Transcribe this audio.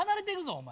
お前。